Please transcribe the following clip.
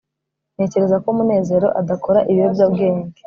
ntekereza ko munezero adakora ibiyobyabwenge